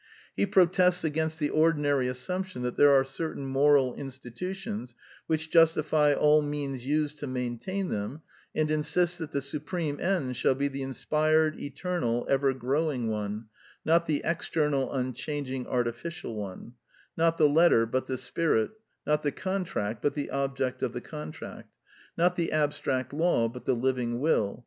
He protests against the ordinary assumption that there are certain moral institutions which justify all means used to maintain them, and insists that the su preme end shall be the inspired, eternal, ever growing one, not the external unchanging, artifi cial one; not the letter but the spirit; not the contract but the object of the contract; not the abstract law but the living will.